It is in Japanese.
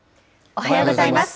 おはようございます。